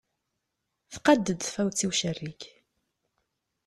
Tqadd-d tfawet i ucerrig.